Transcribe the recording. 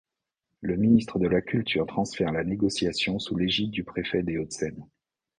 La ministre de la Culture transfère la négociation sous l'égide du préfet des Hauts-de-Seine.